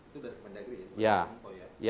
itu dari kementerian dalam negeri ya